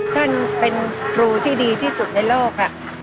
ท่านเป็นครูที่ดีที่สุดในโลก